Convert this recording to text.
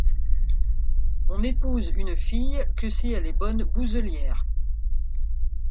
On n’épouse une fille que si elle est bonne bouselière.